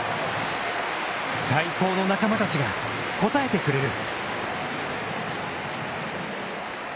最高の仲間たちが応えてくれる。